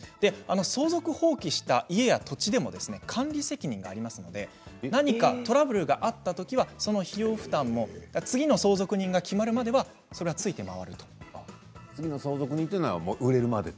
相続放棄した家や土地でも管理責任がありますので何かトラブルがあったときはその費用負担も次の相続人が決まるまではついて回るということです。